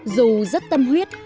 dù rất tâm huyết